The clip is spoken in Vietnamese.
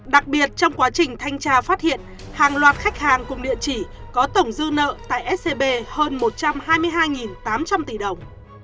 đặc biệt trong quá trình thanh tra phát hiện hàng loạt khách hàng cùng địa chỉ có tổng dư nợ tại scb hơn một trăm hai mươi hai tám trăm linh tỷ đồng